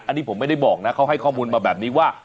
อันนี้ผมไม่ได้บอกนะเขาให้ข้อมูลมาแบบนี้ว่า